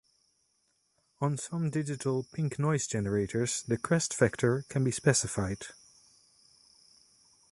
On some digital pink-noise generators the crest factor can be specified.